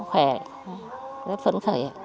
khỏe rất phẫn khởi